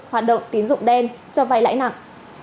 hoạt động tín dụng đen cho vai lãi nặng